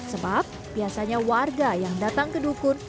sebab biasanya warga yang datang ke dukun